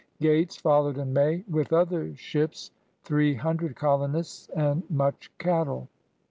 '' Gates followed in May with other ships, three himdred colonists, and much cattle.